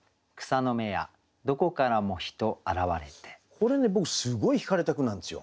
これね僕すごいひかれた句なんですよ。